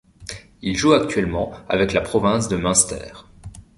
Il joue actuellement avec la province de Munster.